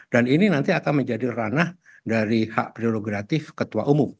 dan ini nanti akan menjadi ranah dari hak prerogatif ketua umum